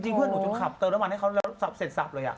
จริงเพื่อนหนูจุดขับเติมเติมวันให้เขาเสร็จสับเลยอ่ะ